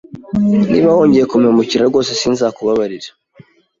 Niba wongeye kumpemukira, rwose sinzakubabarira.